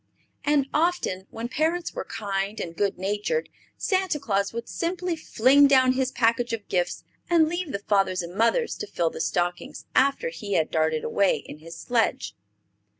And often, when parents were kind and good natured, Santa Claus would simply fling down his package of gifts and leave the fathers and mothers to fill the stockings after he had darted away in his sledge.